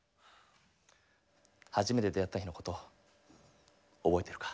初めて出会った日のこと覚えてるか？